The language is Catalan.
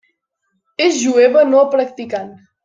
És jueva no practicant.